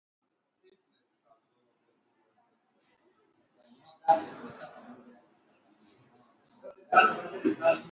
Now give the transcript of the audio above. The question addresses whether the statement is true or not.